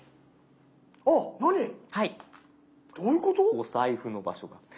お財布の場所が。